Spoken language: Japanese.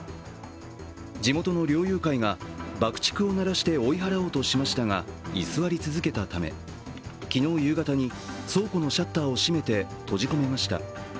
地元の猟友会が爆竹を鳴らして追い払おうとしましたが、居座り続けたため、昨日夕方に倉庫のシャッターを閉めて閉じ込めました。